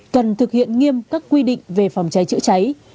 cần thực hiện nghiêm các quy định về phòng cháy chữa cháy